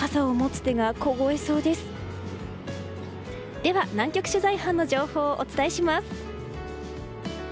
では、南極取材班の情報をお伝えします。